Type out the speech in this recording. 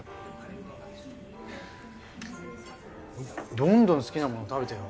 どんどん好きなもの食べてよ。